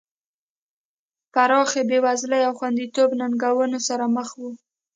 پراخې بېوزلۍ او خوندیتوب ننګونو سره مخ وو.